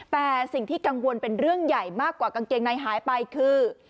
แต่สิ่งที่กังวลเป็นเรื่องใหญ่มากกว่ากางเกงในหายไปคือ